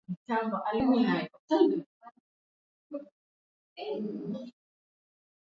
Wasemaji wa raisi wamewasilisha kuwa hatua hiyo iliyofikiwa ina lengo la kutengeneza mazingira ya majadiliano.